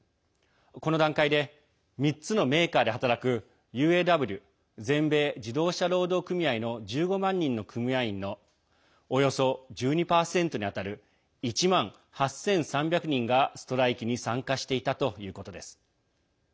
この段階で３つのメーカーで働くＵＡＷ＝全米自動車労働組合の１５万人の組合員のおよそ１２％に当たる１万８３００人が、ストライキに参加していたということです。